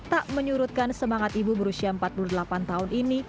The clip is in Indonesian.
tak menyurutkan semangat ibu berusia empat puluh delapan tahun ini